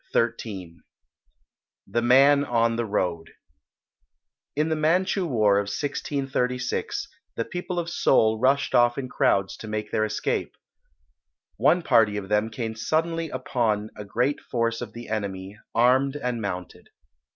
XIII THE MAN ON THE ROAD In the Manchu War of 1636, the people of Seoul rushed off in crowds to make their escape. One party of them came suddenly upon a great force of the enemy, armed and mounted.